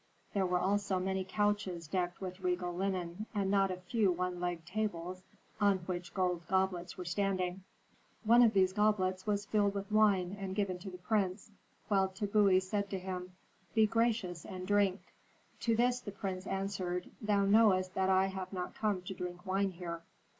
There were also many couches decked with regal linen, and not a few one legged tables on which gold goblets were standing. One of these goblets was filled with wine and given to the prince, while Tbubui said to him, 'Be gracious, and drink.' To this the prince answered, 'Thou knowest that I have not come to drink wine here.'